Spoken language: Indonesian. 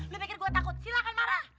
lu pikir gua takut silahkan marah